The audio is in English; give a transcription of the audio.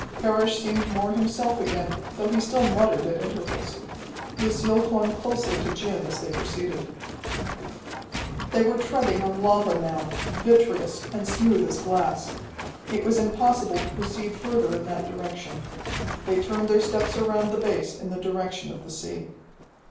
Parrish seemed more himself again, though he still muttered at intervals. Lucille clung closely to Jim as they proceeded. They were treading on lava now, vitreous, and smooth as glass. It was impossible to proceed further in that direction. They turned their steps around the base in the direction of the sea.